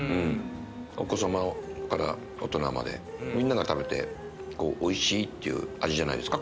お子様から大人までみんなが食べておいしいっていう味じゃないですか